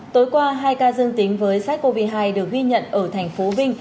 tối qua hai ca dương tính với sars cov hai được ghi nhận ở thành phố vinh